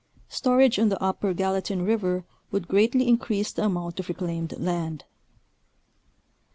Storage on the Upper Gallatin River would greatly increase the amount of reclaimed land.